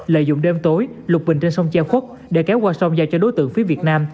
lợi dụng đêm tối lục bình trên sông che khuất để kéo qua sông giao cho đối tượng phía việt nam